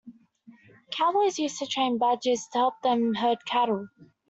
Cowboys used to train badgers to help them herd cattle.